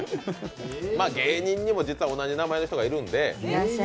芸人にも実は同じ名前の人がいるんで。